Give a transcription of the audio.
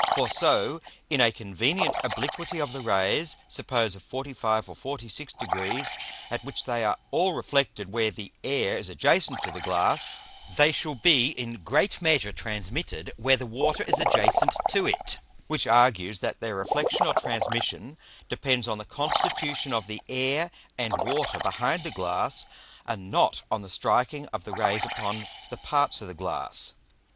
For so in a convenient obliquity of the Rays, suppose of 45 or 46 Degrees, at which they are all reflected where the Air is adjacent to the Glass, they shall be in great measure transmitted where the Water is adjacent to it; which argues, that their Reflexion or Transmission depends on the constitution of the Air and Water behind the Glass, and not on the striking of the Rays upon the parts of the Glass.